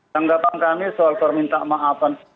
tanggapan kami soal permintaan maafan